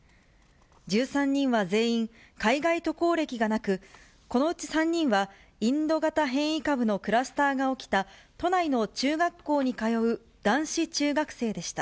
１３人は全員、海外渡航歴がなく、このうち３人は、インド型変異株のクラスターが起きた都内の中学校に通う男子中学生でした。